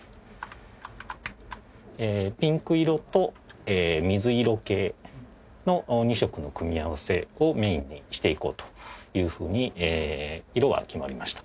ピンク色と水色系の２色の組み合わせをメインにしていこうというふうに色は決まりました。